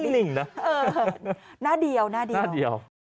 โรงพยาบาล